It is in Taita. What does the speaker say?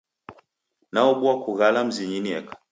Naobua kughala mzinyi niekeri.